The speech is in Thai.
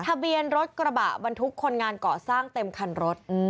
ทะเบียนรถกระบะบรรทุกคนงานเกาะสร้างเต็มคันรถ